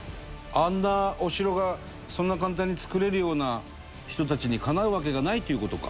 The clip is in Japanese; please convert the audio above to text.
あんなお城がそんな簡単に作れるような人たちにかなうわけがないという事か。